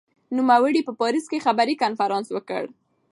نوموړي په پاریس کې خبري کنفرانس وکړ.